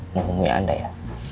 menghubungi anda ya